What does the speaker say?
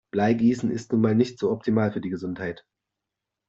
Bleigießen ist nun mal nicht so optimal für die Gesundheit.